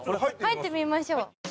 入ってみましょう。